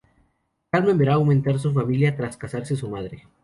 Carmen verá aumentar su familia tras casarse su madre.